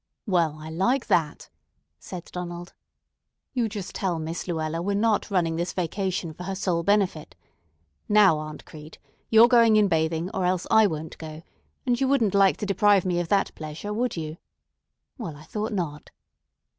"Well, I like that!" said Donald. "You just tell Miss Luella we're not running this vacation for her sole benefit. Now, Aunt Crete, you're going in bathing, or else I won't go, and you wouldn't like to deprive me of that pleasure, would you? Well, I thought not.